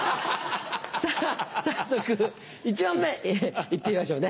さぁ早速１問目行ってみましょうね。